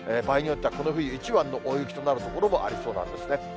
場合によってはこの冬一番の大雪となる所もありそうなんですね。